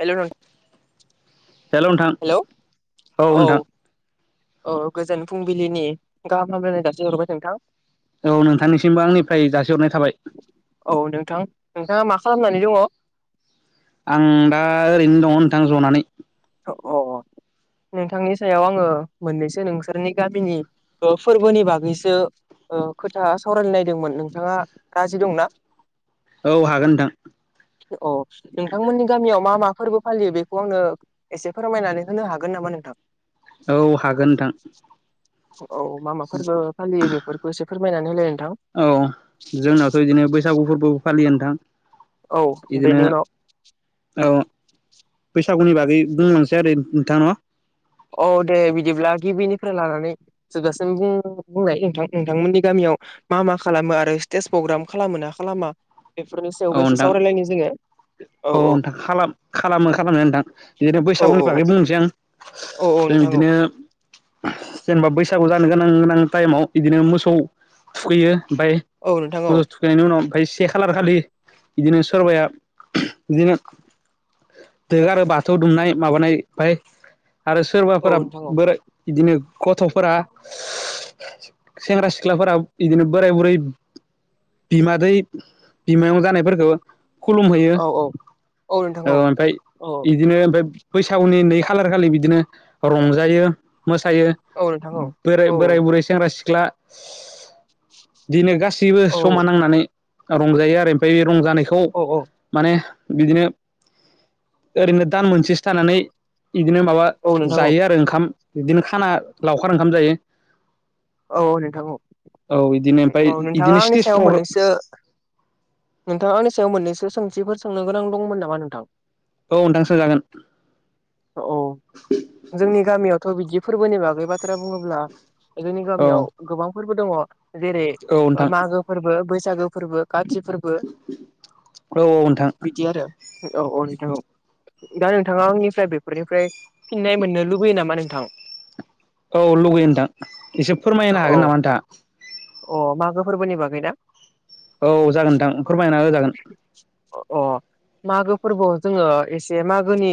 Hello नों hello नोंथां hello औ। अ गोजोन फुंबिलिनि गाहाम हामलायनाय जासि हरबाय नोंथां। औ नोंथांनिसिमबो आंनिफ्राय जासिहरनाय। थाबाय औ नोंथां नोंथाङा मा खालामनानै दङ? आं दा ओरैनो दङ नोंथां जनानै। अ अ। नोंथांनि सायाव आङो मोननैसो नोंसोरनि गामिनि फोरबोनि बागैसो। ओ खोथा सावरायनो नायदोंमोन नोंथाङा राजि दंना? औ हागोन नोंथां। औ नोंथांमोननि गामियाव मा मा फोरबो फालियो बेखौ आंनो। एसे फोरमायनानै होनो हागोन नामा? नोंथां। औ हागोन नोंथां। औ मा मा फोरबो फालियो बेफोरखौ एसे फोरमायनानै होलेन। औ जोंनाथ' बिदिनो बैसागु फोरबो फालियोनोंथां। औ बेनि उनाव। औ बैसागुनि बागै बुंलांसै आरो नोंथां न'। औ दे बिदिब्ला गिबिनिफ्राय लानानै जोबजासिम बुंनाय नोंथां नोंथांमोननि गामि। ओ मा मा खालामो आरो स्टेज प्रग्राम खालामो ना खालामा? बेफोरनि औ सायावबो एसे नोंथां सावरायलायनि जोङो औ नोंथां खालाम खालामो खालामनो नोंथां, बिदिनो औ बैसागुनि औ औ बागै बुंनोसै आं औ औ जों नोंथां औ बिदिनो। जेनेबा बैसागु जानो गोनां गोनां टाइमाव बिदिनो मोसौ थुखैयो। ओमफाय औ नोंथां औ मोसौ थुखैनायनि उनाव ओमाय से खालार खालि। बिदिनो सोरबाया बिदिनो। दोगारो बाथौ दुमनाय माबानाय फाय आरो औ सोरबाफोरा नोंथां औ बोराइ बिदिनो गथ'फोरा सेंग्रा सिख्लाफोरा बिदिनो बोराय बुरै। बिमादै बिमायं जानायफोरखौ। खुलुम होयो औ औ औ नोंथां ओ औ ओमफाय औ इदिनो ओमफ्राय बैसागुनि नै। खालार खालि बिदिनो रंजायो। मोसायो औ नोंथां औ बोराय औ बोराय बुरै सेंग्रा सिख्ला दिनो गा। सिबो औ जमा नांनानै रंजायो आरो ओमफ्राय बे रंजानायखौ औ माने। बिदिनो ओरैनो दान मोनसेसो थानानै। बिदिनो माबा औ नोंथां औ जायो आरो ओंखाम बिदिनो खाना लावखार ओंखाम जायो। औ नोंथां औ इदिनो ओमफ्राय औ नोंथाङा इदिनो आंनि स्टेज सायाव प्रग्राम मोननैसो। नोंथाङानि सायाव मोननैसो सोंथिफोर सोंनो गोनां दंमोन नामा नोंथां? औ नोंथां सोंजागोन। औ जोंनि गामियावथ' बिदि फोरबोनि बागै बाथ्रा बुङोब्ला। जोंनि गामियाव औ गोबां फोरबो दङ जेरै औ नोंथां मागो फोरबो बैसागो फोरबो। गाथि फोरबो औ नोंथां बिदि आरो औ औ नोंथां औ। दा नोंथाङा आंनिफ्राय बेफोरनिफ्राय फिननाय मोननो लुबैयो नामा नोंथां? औ लुगैयो नोंथां एसे फोरमायनो औ हागोन नामा नोंथाङा? अ मागो फोरबोनि बागै ना। औ जागोनथां फोरमायना होजागोन। अ मागो फोरबोआव जोङो एसे मागोनि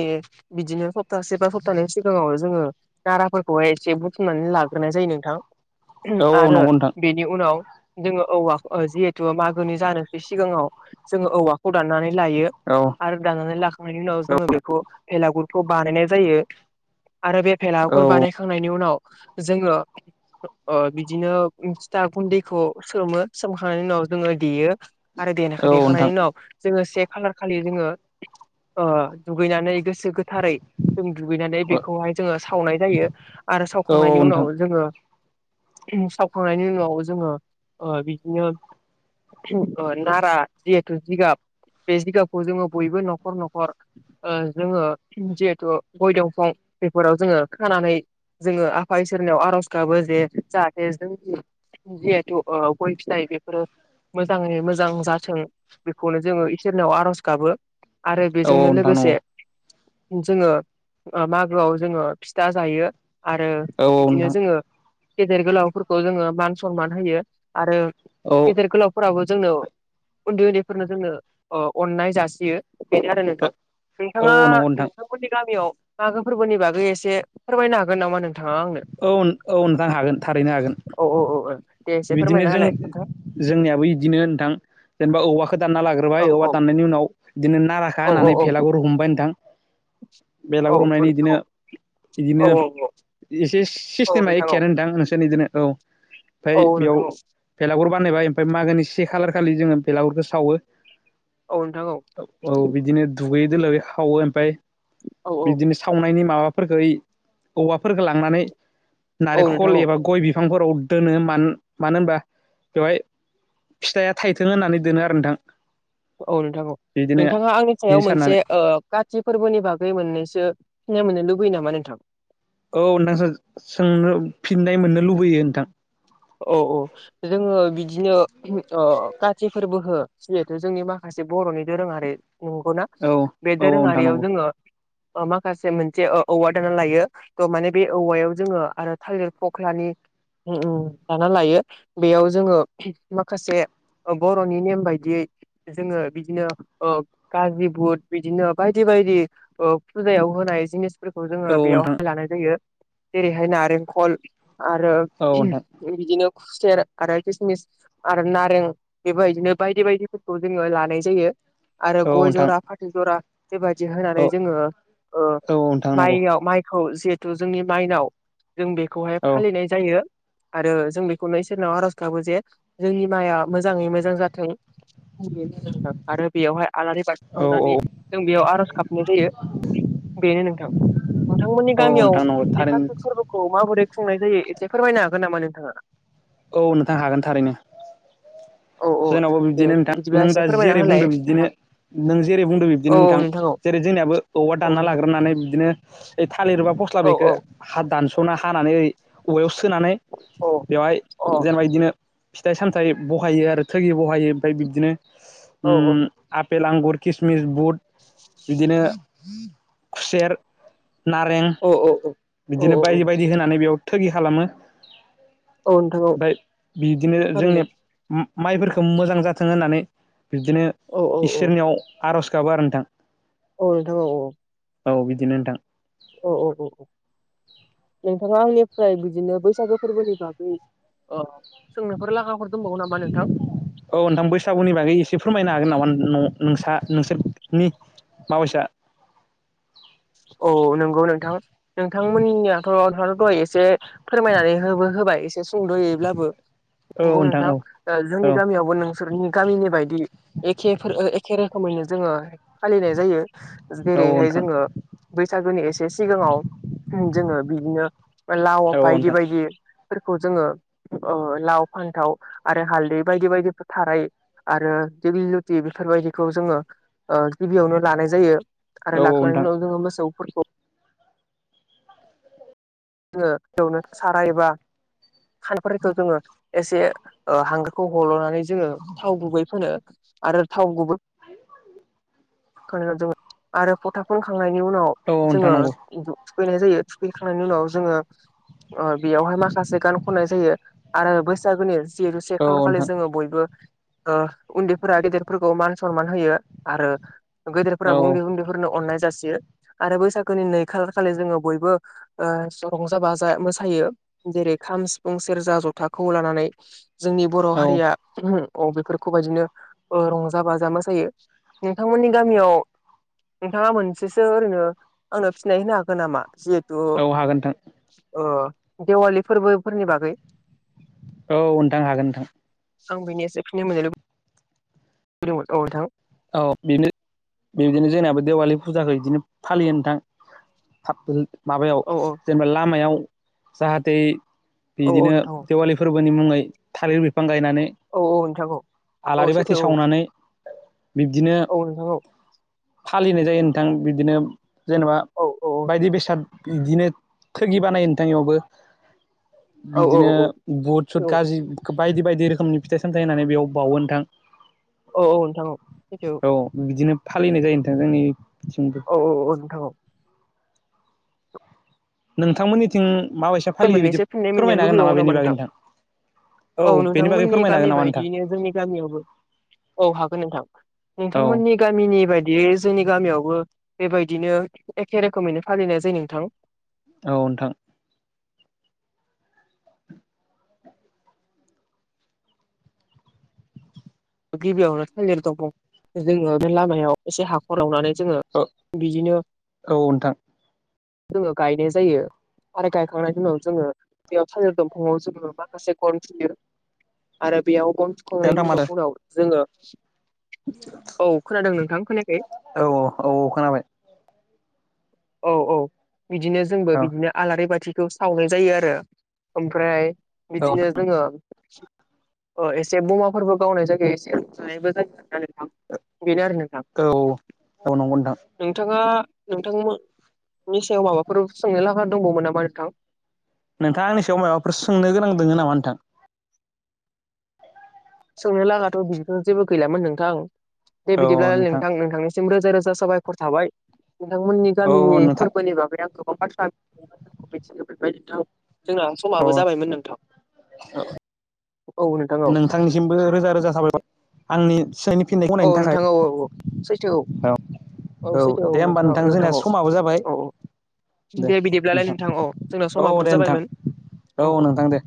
बिदिनो सप्तासे बा सप्तानै सिगाङाव जों। ङो नाराफोरखौहाय एसे बुथुमनानै लाग्रोनाय जायो नोंथां। औ औ आरो नंगौ नोंथां। बेनि उनाव जोङो जिहेथु मागोनि जानोसै सिगाङाव जोङो औवाखौ दाननानै। लायो औ आरो दानानै लाखांनायनि उनाव जोङो बेखौ बेलागुर खौ बानायनाय जायो आरो बे औ बेलागुर बानायखांनायनि उनाव जोङो ओ बिदिनो फिथा गुन्दैखौ सोमो सोमखांनायनि उनाव जोङो देयो आरो औ देनाखौ नोंथां देखांनायनि उनाव जोङो से खालार खालि जोङो ओ दुगैनानै गोसो गो थारै जों दुगैनानै औ बेखौहाय जोङो सावनाय जायो आरो औ सावखांनायनि उनाव नोंथां जोङो सावखांनायनि उनाव जोङो ओ बिदिनो ओ नारा जिहेतु जिगाब बे जिगाबखौ जोङो बयबो न'खर न'खर ओ जोङो जिहेथु गय दंफां बेफोराव जोङो खानानै जोङो आफा इसोरनियाव आर'ज गाबो जे जाहाथे [unintelligible] जिहेथु ओ गय फिथाइ बेफोरो मोजाङै मोजां जाथों बेखौनो जोङो इसोर नियाव आर'ज गाबो आरो औ बेजोंनो नोंथां नंगौ लोगोसे जोङो मागोआव जोङो फिथा जायो आरो औ बिदिनो नोंथां जोङो गेदेर गोलावफोरखौ जोङो मान सनमान होयो आरो औ नंगौ गेदेर गोलावफोराबो जोंनो उन्दै उन्दैफोरनो जोंनो ओ अननाय जासियो बेनो आरो नोंथां नोंथाङा नोंथां नोंथांमोननि गामियाव मागो फोरबोनि बागै एसे फोरमायनो हागोन नामा नों औ औ नोंथां हागोन थारैनो हागोन औ औ औ औ दे एसे बिदिनो फोरमायना जों होलाय नोंथां जोंनियाबो बिदिनो नोंथां जेनेबा औवाखौ दानना लागोन होबाय औ औवा औ दाननायनि उनाव बिदिनो नाराखौ औ होननानै औ भेलागुरु हमबाय नोंथां औ बेलागुर हमनायनि नोंथां इदिनो इदिनो औ एसे औ सिस्टेमा औ एखेयानो नोंथां नोंसोनिजोंनो औ ओमफाय औ बेयाव नोंथां भेलागुर बानायबाय ओमफ्राय मागोनि से खालार खालि जोङो बेलागुरखौ सावो औ नोंथां औ औ बिदिनो दुगै दोलोबे हावो ओमफ्राय औ बिदिनो सावनायनि माबा फोरखौ औवाफोरफोरखौ लांनानै औ नोंथां नारेंखल औ एबा गय बिफांफोराव दोनो। मा मानो होनबा बेवहाय फिथाइया थाइथों होननानै दोनो आरो नोंथां औ नोंथांखौ बिदिनो नोंथाङा आंनि सायाव बिदि मोनसे साननानै ओ काति फोरबोनि बागै मोननैसो सिनाय मोननो लुबै यो नामा नोंथां? औ नोंथां सोंनो फिननाय मोननो लुबैयो नोंथां। औ औ जोङो बिदिनो ओ काथि फोरबो खो जिहेथु जोंनि माखासे बर'नि दोरोङारि नंगौना, औ बे औ नोंथां दोरोङारियाव नंगौ जोङो ओ माखासे मोनसे औवा दाना लायो तह माने बे औवायाव जोङो आरो थालिर फख्लानि दाना लायो बेयाव जोङो माखासे ओ बर'नि नेम बायदियै जोङो बिदिनो ओ गाज्रि भुट बिदिनो बायदि बायदि ओ फुजायाव होनाय जिनिस, फोरफोरखौ औ जोङो नोंथां बेयावहाय लानाय जायो जेरैहाय नारेंखल आरो औ नोंथां बिदिनो खुसेर आरो खिसमिस आरो नारें बेबायबायदिनो बायदि बायदिफोरखौ जोङो लानाय जायो। आरो औ गय नोंथां जरा, फाथै जरा बेबायदि होनानै औ जोङो ओ औ नोंथां नंगौ माइयाव माइ खौ जिहेथु जोंनि माइनाव जों बेखौहाय औ फालिनाय जायो। आरो जों बेखौनो इसोरनाव आर'ज गाबो जे जोंनि माइआ मोजाङै मोजां जाथों। आरो बेयावहाय आलारि बाथि औ औ सावनानै जों बेयाव आर'ज गाबनाय जायो। बेनो नोंथां नोंथांमोननि औ गामियाव नोंथां नंगौ बे थारैनो गासै फोरबोखौ माबोरै खुंनाय जायो एसे फोरमायनो हागोन नामा नोंथाङा, औ नोंथां हागोन थारैनो। औ औ जोंनावबो दे बिदिनो नोंथां बिदिब्ला नों एसे दा फोरमायना जेरै होलाय बुंदों बिदिनो नोंथां नों जेरै बुंदों औ बिदिनो नोंथां औ जेरै जोंनियाबो औवा औ दानना नोंथां लाग्रोनानै बिदिनो थालिरबा फस्ला औ बेखौ औ अ हा दानस'ना हानानै औवायाव सो सोनानै बेवहाय जेनेबा बिदिनो फिथाइ सामथाइ बहायो आरो थोयो बहायो ओमफ्राय बिबदिनो औ औ ओम आपेल, आंगुर किसमिस, बुट बिदिनो खुसेर नारें औ औ बिदिनो औ बायदि बायदि होनानै बेयाव थोगि खालामो औ नोंथां औ फाय बिदिनो जोंनि थारैनो ओम माइफोरखौ मोजां जाथों होननानै बिदिनो औ औ औ इसोरनियाव आर'ज गाबो आरो नोंथां। औ नोंथां औ औ बिदिनो नोंथां औ औ औ औ नोंथाङा आंनिफ्राय बिदिनो बैसागो फोरबोनि बागै अ सोंनोफोर लागाफोर दंबावो नामा नोंथां। औ नोंथां बैसागुनि बागै एसे फोरमायनो हागोन नामा न' नोंसा नोंसोरनि माबैसा? औ नंगौ नोंथां! नोंथांमोननियाथ' दहाय एसे फोरमायनानै होबो हो होबाय एसे संद'यैब्लाबो औ नंगौ औ नोंथां औ जोंनि गामियावबो नोंसोरनि गामिनि बायदि एखे एखे खोमैनो जोङो फालिनाय जायो औ जेरैहाय नोंथां जोङो बैसागोनि एसे सिगाङाव जोङो बिदिनो लाव औ औ बायदि नोंथां बायदि फोरखौ जोङो ओ लाव, फान्थाव आरो हालदै बायदि बायदिफो थाराय आरो दिग्लिलथि बेफोरबायदिखौ जोङो ओ गिबियावनो लानाय जायो आरो औ नोंथां लाखांनायनि उन खौ फोरखौ जोङो सारायबा सानफोरखौ जोङो [unintelligible] एसे ओ हांगारखौ हल'नानै जोङो थाव गुबै फोनो आरो थाव गुबै [unintelligible] जो आरो फथा फोनखांनायनि उनाव औ नोंथां जोङो नंगौ [unintelligible] थुखैनाय जायो थुखैखांनायनि उनाव जोङो ओ बेयावहाय माखासे गान खननाय जायो आरो बैसागोनि बिहु से औ खाल औ खालि नोंथां जोङो बयबो ओ उन्दैफोरा गेदेरफोरखौ मान सनमान होयो आरो औ गेदेरफोराबो उन्दै उन्दैफोरनो अननाय जासि यो आरो बैसागुनि नै खाल खालि जोङो बयबो ओ ज' रंजा बाजा मोसायो जेरै खाम सिफुं सेरजा ज'थाखौ लानानै जोंनि बर' औ हारिया [unintelligible] औ बेफोरखौ बायदिनो ओ रंजा बाजा मोसायो नोंथांमोननि गामियाव नोंथाङा मोनसेसो ओरैनो आंनो फिनाय होनो हागोन नामा औ हागोन नोंथां अ देवालि फोरबोफोरनि बागै औ नोंथां हागोन नोंथां आं बिनि [unintelligible] होदोंमोन औ नोंथां औ बिनो बिदिनो जोंनाबो देवालि फुजाखौ इदिनो फालियो नोंथां [unintelligible] माबायाव औ औ जेनेबा लामायाव जाहाते औ बिदिनो नोंथां देवालिफोर बोनि मुङै थालिर बिफां गायनानै औ औ नोंथां औ औ आलारि बाथि सैथो सावनानै बिब्दिनो औ नोंथां औ फालिनाय जायो नोंथां बिदिनो जेनेबा औ बायदि बेसाद बिदिनो थोगि बानायो नोंथां इयावबो औ औ बिदिनो औ बुट सुट सैथो गाजि बायदि बायदि रोखोमनि फिथाइ सामथाइ होनानै बेयाव बावो नोंथां औ औ नोंथां औ सैथो औ बिदिनो फालिनाय जायो नोंथां जोंनि औ औ औ नोंथां औ नोंथांमोननिथिं माबायसे बे फालियो मोननैसो बिदि फिननाय मोननो फोरमायनो हागोन लुबैबावो नामा बेनि बागै नोंथां? औ बेनि बागै नोंथांमोननि फोरमायनो गामि हागोन नामा नोंथां बायदियैनो जोंनि गामियावबो औ हागोन नोंथां औ नोंथांमोननि गामिनि बायदि बे जोंनि गामियावबो बेबायदिनो एखे रोखोमैनो फालिनाय जायो नोंथां औ नोंथां गिबियावनो थालिर दंफां खौ जोङो बे लामायाव एसे हाखर जावनानै जोङो औ बिदिनो औ नोंथां [unintelligible] गायनाय जायो आरो गायखांनायनि उनाव जोङो बेयाव थालिर दंफाङाव जोङो माखासे गन थुयो आरो बेयाव गन नोंथां थुखांनायनि माथो उनाव जोङो औ खोनादों नोंथां खोनायाखै औ औ खोनाबाय औ औ बिदिनो जोंबो औ बिदिनो आलारि बाथि खौ सावनाय जायो आरो ओमफ्राय औ बिदिनो जोङो अ एसे बमाफोरबो गावनाय जायो एसे [unintelligible] [unintelligible] बेनो आरो नोंथां औ औ नंगौ नोंथां नोंथाङा नोंथांमो नि सायाव माबाफोर सोंनो लागा दंबावोमोन नामा नोंथां नोंथांङा आंनि सायाव माबाफोर सोंनो गोनां दोङो नामा नोंथां? सोंनो लागाथ' बिदिथ' जेबो गैलामोन नोंथां दे बिदिब्लालाय नोंथां नोंथांनिसिम रोजा रोजा जा साबायख'र थाबाय नोंथांमोननि औ गामिनि नोंथां फोरबोनि बागै आं गोबां बाथ्रा मिथिनो मोनबाय नोंथां जोंना औ समाबो जाबायमोन नोंथां औ नोंथां औ थांनिसिमबो रोजा रोजा साबायखर आंनि सोंनायनि फिननायखौ औ होनायनि थाखाय नोंथां औ औ औ सैथो औ औ दे होमबा नोंथां जोंनिया समाबो जाबाय औ दे बिदिब्लालाय नोंथां औ जोंना औ समाबोथ' दे नोंथां जाबायमोन औ नोंथां दे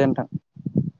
दे नोंथां